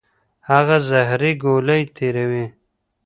هغه زهري ګولۍ تیروي.